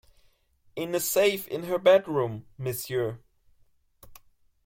In a safe in her bedroom, monsieur.